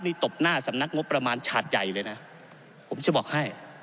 นี่ตบหน้าสำนักงบประมาณฉาดใหญ่เลยนะผมจะบอกให้